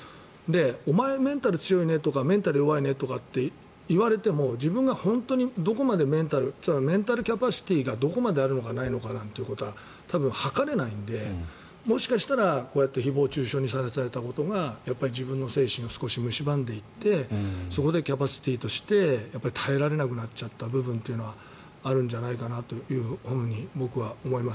お前、メンタル強いねとかメンタル弱いねって言われても自分が本当にどこまでメンタルメンタルキャパシティーがどこまであるのかないのかなんてことは測れないのでもしかしたら、こうやって誹謗・中傷にさらされたことが自分の精神を少しむしばんでいってそこでキャパシティーとして耐えられなくなっちゃった部分というのはあるんじゃないかなというふうに僕は思います。